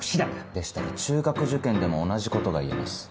でしたら中学受験でも同じことが言えます。